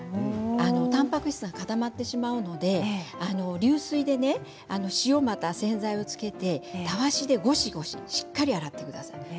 たんぱく質が固まってしまうので流水で塩または洗剤をつけてたわしでゴシゴシしっかり洗ってくださいね。